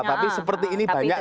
tapi seperti ini banyak